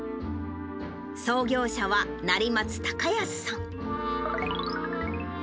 創業者は成松孝安さん。